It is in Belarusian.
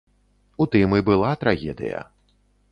У тым і была трагедыя.